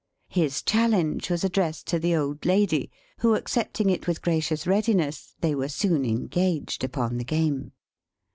His challenge was addressed to the old lady, who accepting it with gracious readiness, they were soon engaged upon the game.